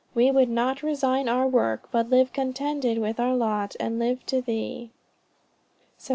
We would not resign our work, but live contented with our lot, and live to Thee." "_Sept.